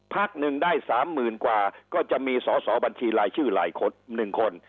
พักหนึ่งได้๓๐๐๐๐กว่าก็จะมีสสบัญชีลายชื่อ๑คน